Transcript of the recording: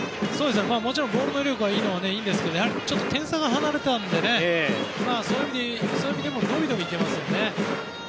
もちろんボールの威力はいいんですがやはり点差が離れたのでそういう意味でも伸び伸びいけますよね。